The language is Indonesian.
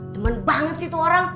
demen banget sih tuh orang